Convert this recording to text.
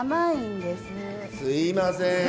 すいません。